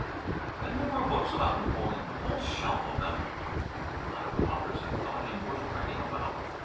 Then there were books about Napoleon, a whole shelf of them. A lot of authors had thought him worth writing about.